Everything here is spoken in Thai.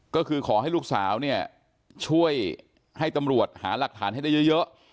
ก็คือขอให้ลูกสาวเนี่ยช่วยให้ตำรวจหาหลักฐานให้ได้เยอะ